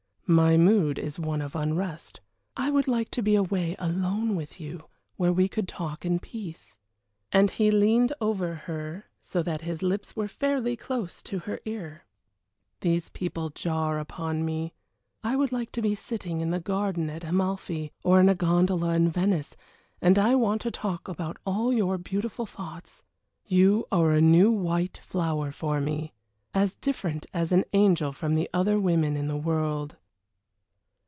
"My mood is one of unrest I would like to be away alone with you, where we could talk in peace," and he leaned over her so that his lips were fairly close to her ear. "These people jar upon me. I would like to be sitting in the garden at Amalfi, or in a gondola in Venice, and I want to talk about all your beautiful thoughts. You are a new white flower for me, as different as an angel from the other women in the world."